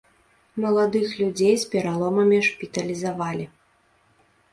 Маладых людзей з пераломамі шпіталізавалі.